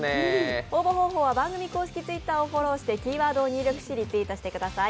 応募方法は番組公式Ｔｗｉｔｔｅｒをフォローしてキーワードを入力し、リツイートしてください。